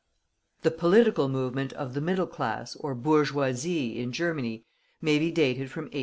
The political movement of the middle class or bourgeoisie, in Germany, may be dated from 1840.